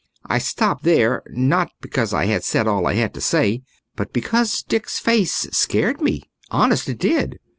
I stopped there, not because I had said all I had to say, but because Dick's face scared me honest, it did.